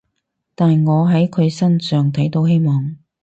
但我喺佢身上睇到希望